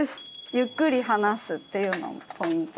ゆっくり話すっていうのもポイントです。